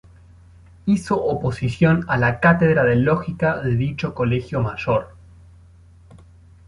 Hizo oposición a la Cátedra de Lógica de dicho Colegio Mayor.